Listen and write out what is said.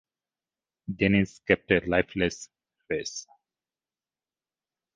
Denise kept a lifeless face.